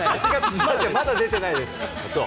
まだ出てないです。